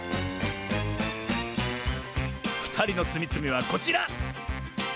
ふたりのつみつみはこちら！